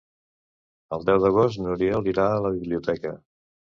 El deu d'agost n'Oriol irà a la biblioteca.